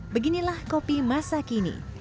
beginilah kopi masa kini